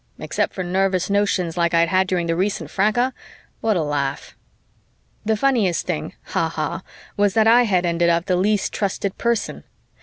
except for nervous notions like I'd had during the recent fracas? what a laugh! The funniest thing (ha ha!) was that I had ended up the least trusted person.